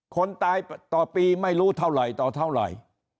คนตายต่อปีไม่รู้เท่าไหร่ต่อเท่าไหร่